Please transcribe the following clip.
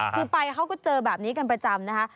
คือไปเขาก็เจอแบบนี้กันประจำนะคะ